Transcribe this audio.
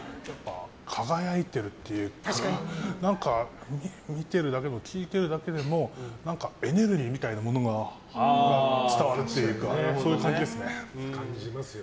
輝いてるっていうか見てるだけでも聴いてるだけでもエネルギーみたいなものが伝わるっていうかそういう感じですね。